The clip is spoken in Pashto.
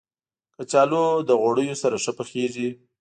کچالو له غوړیو سره ښه پخیږي